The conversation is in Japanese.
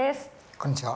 こんにちは。